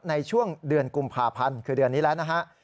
ในช่วงเดือนกุมภาพันธ์คือเดือนนี้แล้วนะฮะ